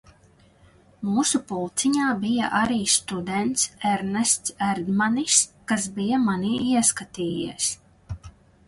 Mūsu pulciņā bija arī students Ernests Erdmanis, kas bija manī ieskatījies.